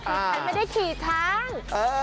คือฉันไม่ได้ขี่ช้าง